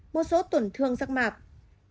một số tổn thương rắc mạc